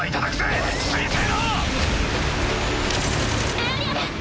エアリアル！